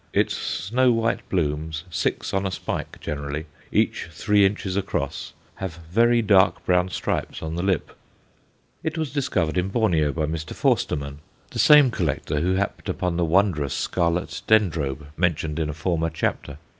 Its snow white blooms, six on a spike generally, each three inches across, have very dark brown stripes on the lip. It was discovered in Borneo by Mr. Forstermann, the same collector who happed upon the wondrous scarlet Dendrobe, mentioned in a former chapter.